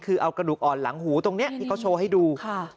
คือเอากระดูกอ่อนหลังหูตรงนี้ที่เขาโชว์ให้ดู